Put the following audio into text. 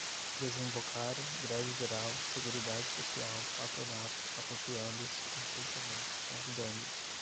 Desembocaram, greve geral, seguridade social, patronato, apropriando-se, enfrentamento, convidando-os